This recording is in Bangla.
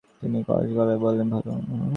তিনি শুকনো গলায় বললেন, ভালো।